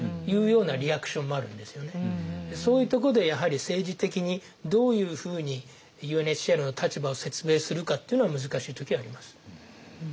そういうとこでやはり政治的にどういうふうにＵＮＨＣＲの立場を説明するかっていうのは難しい時あります。